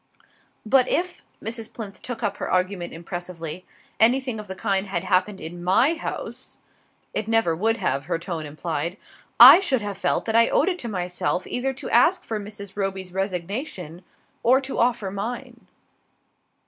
" but if," Mrs. Plinth took up her argument impressively, "anything of the kind had happened in my house" (it never would have, her tone implied), "I should have felt that I owed it to myself either to ask for Mrs. Roby's resignation or to offer mine."